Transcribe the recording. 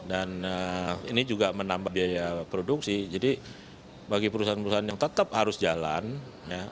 dan ini juga menambah biaya produksi jadi bagi perusahaan perusahaan yang tetap harus jalan